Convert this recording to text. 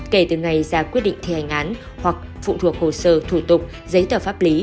kể từ ngày ra quyết định thi hành án hoặc phụ thuộc hồ sơ thủ tục giấy tờ pháp lý